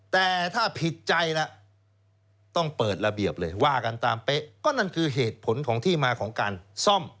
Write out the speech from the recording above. แต่ถ้าผิดใจแล้วต้องเปิดระเบียบเลยว่ากันตามเป๊ะก็นั่นคือเหตุผลของที่มาของการซ่อม